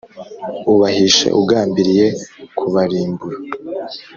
ubahishe ugambiriye kubarimbura.